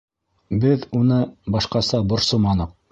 Беҙ уны башҡаса борсоманыҡ.